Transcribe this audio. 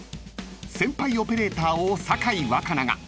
［先輩オペレーターを酒井若菜が］